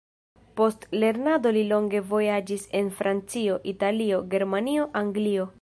Post lernado li longe vojaĝis en Francio, Italio, Germanio, Anglio.